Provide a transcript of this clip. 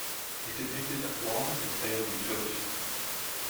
It depicted a flawed and failed utopia.